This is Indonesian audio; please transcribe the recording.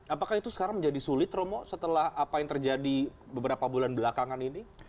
apakah itu sekarang menjadi sulit romo setelah apa yang terjadi beberapa bulan belakangan ini